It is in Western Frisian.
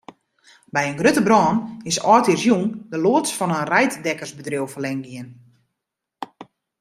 By in grutte brân is âldjiersjûn de loads fan in reidtekkersbedriuw ferlern gien.